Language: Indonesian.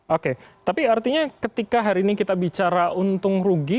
oke tapi artinya ketika hari ini kita bicara untung rugi